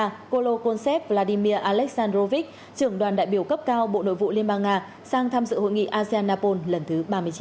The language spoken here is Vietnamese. sang thăm sự hội nghị asean napol lần thứ ba mươi chín